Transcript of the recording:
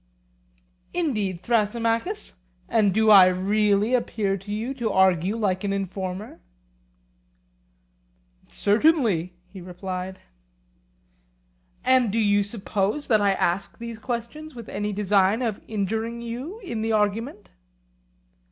Indeed, Thrasymachus, and do I really appear to you to argue like an informer? Certainly, he replied. And do you suppose that I ask these questions with any design of injuring you in the argument?